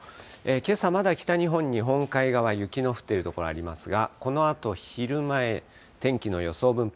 けさ、まだ北日本日本海側、雪の降っている所ありますが、このあと昼前、天気の予想分布